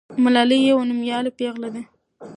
ملالۍ یوه نومیالۍ پیغله ده.